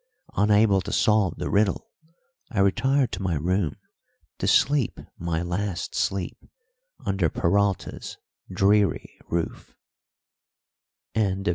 Unable to solve the riddle, I retired to my room to sleep my last sleep under Peralta's dreary roof.